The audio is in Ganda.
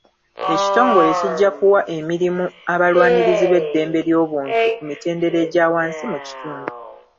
Ekitongole kijja kuwa emirimu abalwanirizi b'eddembe ly'obuntu ku mitendera egya wansi mu kitundu.